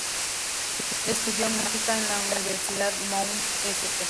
Estudió música en la Universidad Mount St.